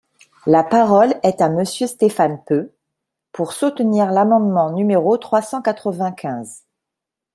La parole est à Monsieur Stéphane Peu, pour soutenir l’amendement numéro trois cent quatre-vingt-quinze.